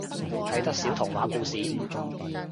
睇得少童話故事？